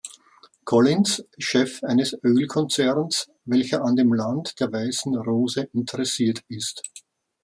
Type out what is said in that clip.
Collins, Chef eines Öl-Konzerns, welcher an dem Land der weißen Rose interessiert ist.